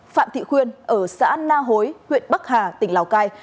phạm thị khuyên ở xã na hối huyện bắc hà tỉnh lào cai